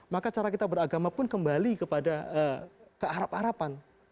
maka cara kita beragama pun kembali kepada kearapan